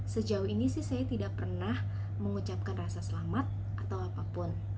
sejauh ini sih saya tidak pernah mengucapkan rasa selamat atau apapun